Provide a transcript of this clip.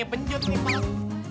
benjut nih pak